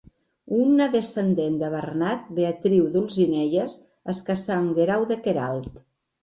Una descendent de Bernat, Beatriu d'Olzinelles, es casà amb Guerau de Queralt.